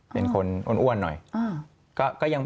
เป็นคนอ้วนหน่อย